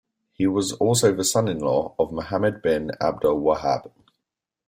He was also the son-in-law of Muhammad bin Abdul Wahhab.